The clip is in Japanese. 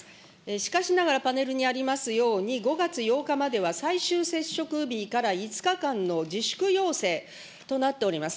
しかしながら、パネルにありますように、５月８日までは最終接触日から５日間の自粛要請となっております。